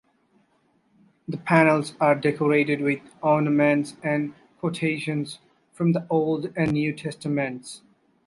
The panels are decorated with ornaments and quotations from the Old and New Testaments.